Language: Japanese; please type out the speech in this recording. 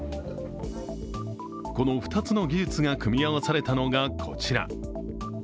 この２つの技術が組み合わされたのがこちら。